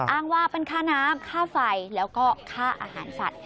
อ้างว่าเป็นค่าน้ำค่าไฟแล้วก็ค่าอาหารสัตว